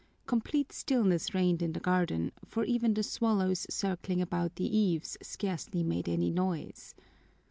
Complete stillness reigned in the garden, for even the swallows circling about the eaves scarcely made any noise.